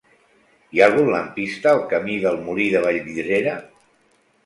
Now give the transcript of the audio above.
Hi ha algun lampista al camí del Molí de Vallvidrera?